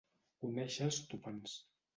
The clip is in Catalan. Conèixer els topants.